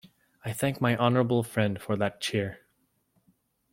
I thank my honourable friend for that cheer.